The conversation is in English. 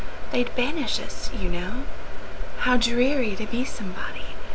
They 'd banish us, you know. How dreary to be somebody!